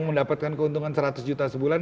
mendapatkan keuntungan seratus juta sebulan